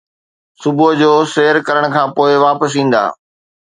صبح جو، سير ڪرڻ کان پوء واپس ايندا